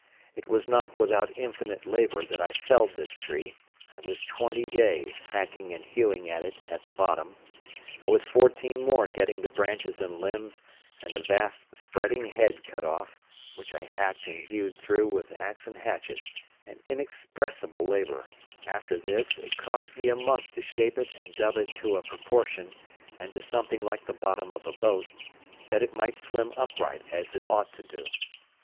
It was not without infinite labour that I felled this tree; I was twenty days hacking and hewing at it at the bottom; I was fourteen more getting the branches and limbs and the vast spreading head cut off, which I hacked and hewed through with axe and hatchet, and inexpressible labour; after this, it cost me a month to shape it and dub it to a proportion, and to something like the bottom of a boat, that it might swim upright as it ought to do.